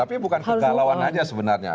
tapi bukan kegalauan aja sebenarnya